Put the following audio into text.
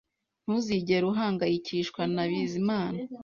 Ntuzigera uhangayikishwa na Bizimana